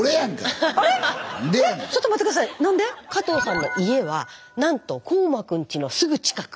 加藤さんの家はなんと煌真くんちのすぐ近く。